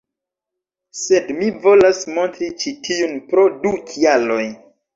Sed mi volas montri ĉi tiun pro du kialoj